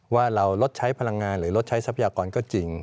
ว่าเราลดใช้พลังงานหรือลดใช้ทรัพยากรก็จริง